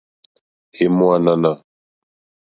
È mò ànànà.